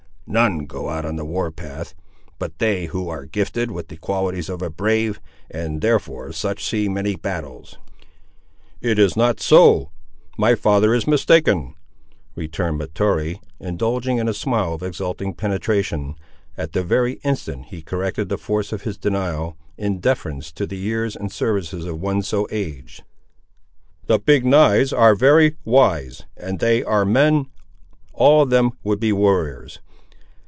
None go out on the war path but they who are gifted with the qualities of a brave, and therefore such see many battles." "It is not so—my father is mistaken," returned Mahtoree, indulging in a smile of exulting penetration, at the very instant he corrected the force of his denial, in deference to the years and services of one so aged. "The Big knives are very wise, and they are men; all of them would be warriors.